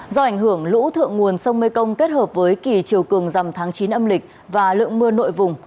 do ảnh hưởng lũ thượng nguồn sông mê công kết hợp với kỳ chiều cường dầm tháng chín âm lịch và lượng mưa nội vùng